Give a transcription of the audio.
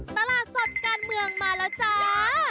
ตลาดสดการเมืองมาแล้วจ้า